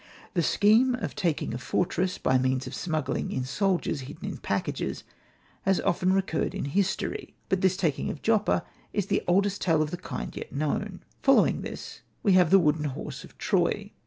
The scheme of taking a fortress by means of smuggling in soldiers hidden in packages has often recurred in history ; but this taking of Joppa is the oldest tale of the kind yet known. Following this we have the wooden horse of Troy.